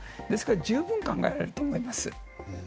ですから、十分考えられると思います。